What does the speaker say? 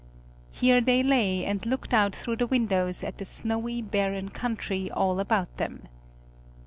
Here they lay and looked out through the windows at the snowy barren country all about them.